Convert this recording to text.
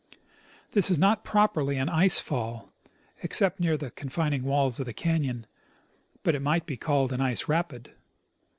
This is not properly an ice fall, except near the confining walls of the canon ; but it might be called an ice rapid.